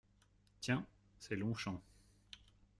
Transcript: Tiens ! c’est Longchamps !